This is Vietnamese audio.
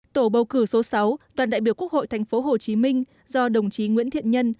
tổ bầu cử số sáu đoàn đại biểu quốc hội tp hcm do đồng chí nguyễn thiện nhân